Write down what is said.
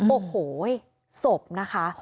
โอ้โหศพนะคะ